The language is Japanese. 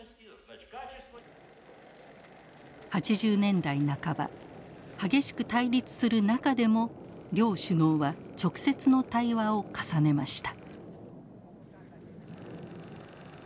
８０年代半ば激しく対立する中でも両首脳は直接の対話を重ねました。